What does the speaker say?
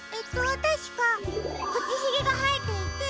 たしかくちひげがはえていて。